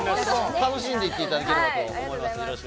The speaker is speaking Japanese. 楽しんでいっていただければと思います。